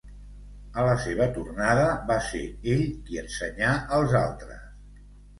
A la seva tornada, va ser ell qui ensenyà als altres.